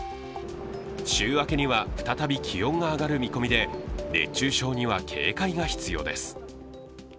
週明けには、再び気温が上がる見込みで、熱中症には警戒が必要です。